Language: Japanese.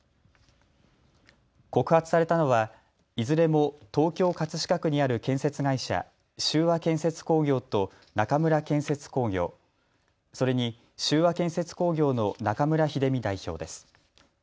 告発されたのはいずれも東京葛飾区にある建設会社、秀和建設工業と中村建設工業、それに秀和建設工業の中村秀美代表です。